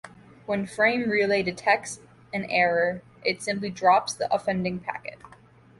When Frame Relay detects an error, it simply drops the offending packet.